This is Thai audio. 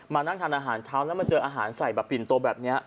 มานั่งทานอาหารเช้าแล้วมาเจออาหารใส่แบบปิ่นโตแบบนี้